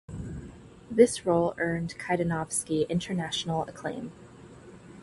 This role earned Kaidanovsky international acclaim.